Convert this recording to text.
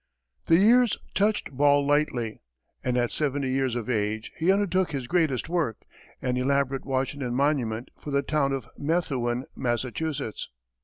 The years touched Ball lightly, and at seventy years of age, he undertook his greatest work, an elaborate Washington monument for the town of Methuan, Massachusetts.